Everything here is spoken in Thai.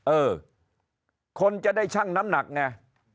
เออคนจะได้ชั่งน้ำหนักไง